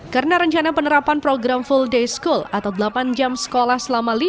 karena rencana penerapan program full day school atau delapan jam sekolah selama lima hari